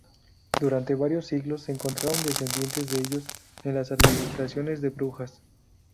Durante varios siglos encontraron descendientes de ellos en las administraciones de Brujas.